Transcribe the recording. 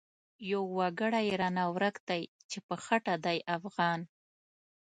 يو وګړی رانه ورک دی چی په خټه دی افغان